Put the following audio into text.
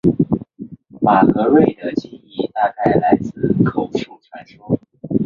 马格瑞的记述大概来自口述传说。